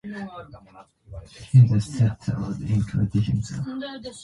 He then settled in Kentucky himself.